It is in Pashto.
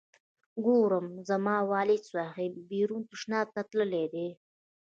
ګورم زما والد صاحب بیرون تشناب ته تللی دی.